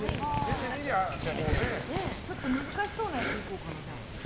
ちょっと難しそうなやついこうかな。